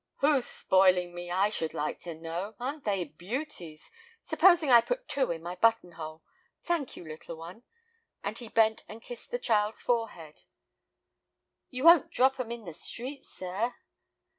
"Who's spoiling me, I should like to know? Aren't they beauties? Supposing I put two in my button hole? Thank you, little one," and he bent and kissed the child's forehead. "You won't drop 'em in the street, sir?"